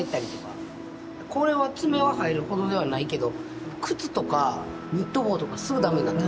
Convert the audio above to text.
これは爪は入るほどではないけど靴とかニット帽とかすぐ駄目になった。